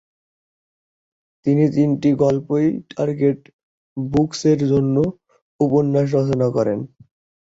তিনি তিনটি গল্পই টার্গেট বুকস-এর জন্য উপন্যাস রচনা করেন।